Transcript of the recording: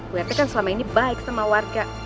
bu rt kan selama ini baik sama warga